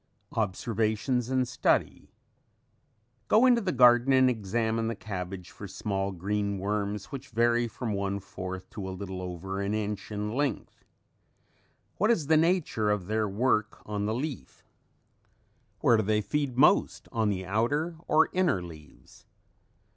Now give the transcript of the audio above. OBSERVATIONS AND STUDY [Illustration: Cabbage worm feeding, slightly enlarged.] Go into the garden and examine the cabbage for small green worms which vary from one fourth to a little over an inch in length. What is the nature of their work on the leaf? Where do they feed most, on the outer or inner leaves?